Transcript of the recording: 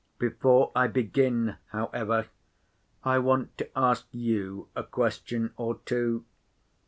Before I begin, however, I want to ask you a question or two.